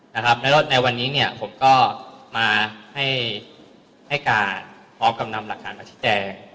ครับในวันนี้เนี่ยผมก็มาให้การพร้อมกำนำหลักฐานปัจจิแจง